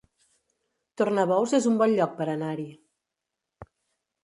Tornabous es un bon lloc per anar-hi